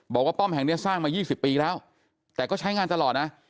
ป้อมแห่งนี้สร้างมา๒๐ปีแล้วแต่ก็ใช้งานตลอดนะ